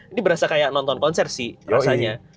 ini berasa kayak nonton konser sih rasanya